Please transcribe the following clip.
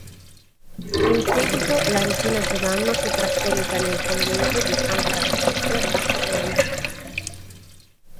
In seguito la regina Giovanna fu trasferita nel convento di san Francesco a Segovia.